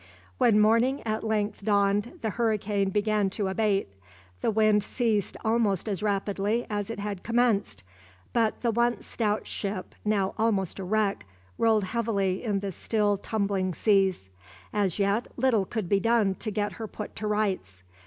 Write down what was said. When morning at length dawned, the hurricane began to abate. The wind ceased almost as rapidly as it had commenced; but the once stout ship, now almost a wreck, rolled heavily in the still tumbling seas. As yet little could be done to get her put to rights.